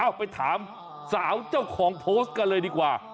ไปถามสาวเจ้าของโพสต์กันเลยดีกว่า